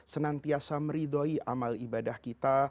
senantiasa meridhoi amal ibadah kita